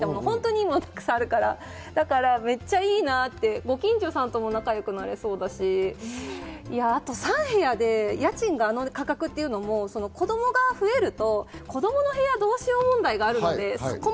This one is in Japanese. コストコ、私もいつもは結構してるんですよ、たくさんあるからめっちゃいいなって、ご近所さんとも仲良くなれそうだし、あと３部屋で家賃があの価格というのも子どもが増えると子どもの部屋どうしよう問題があるので、そこも